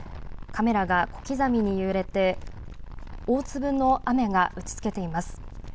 カメラが小刻みに揺れて、大粒の雨が打ちつけています。